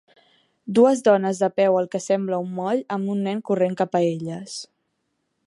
Dues dones de peu al que sembla un moll amb un nen corrent cap a elles.